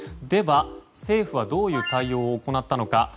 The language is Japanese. では、政府はどういう対応を行ったのか。